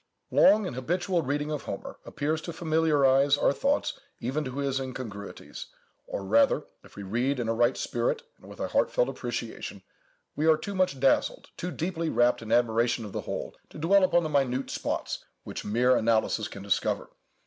Long and habitual reading of Homer appears to familiarize our thoughts even to his incongruities; or rather, if we read in a right spirit and with a heartfelt appreciation, we are too much dazzled, too deeply wrapped in admiration of the whole, to dwell upon the minute spots which mere analysis can discover.